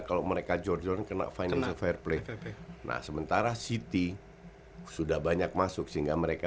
kalau mereka jor jor kena financial fair play nah sementara city sudah banyak masuk sehingga mereka